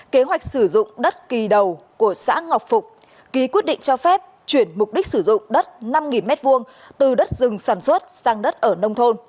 kế hoạch sử dụng đất kỳ đầu của xã ngọc phục ký quyết định cho phép chuyển mục đích sử dụng đất năm m hai từ đất rừng sàn sơn